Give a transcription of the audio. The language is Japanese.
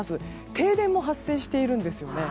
停電も発生しているんですよね。